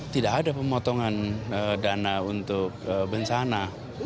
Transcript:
tidak ada pemotongan dana untuk bencana